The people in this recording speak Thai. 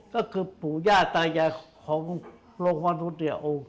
ก็คือปู่ย่าตายอย่างของโลกวนฤทธิอุ